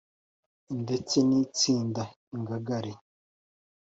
ndetse n’Itsinda Ingangare